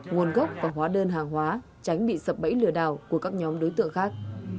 nguồn gốc và hóa đơn hàng hóa tránh bị sập bẫy lừa đảo của các nhóm đối tượng khác